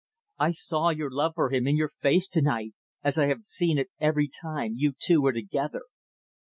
I saw your love for him in your face to night as I have seen it every time you two were together.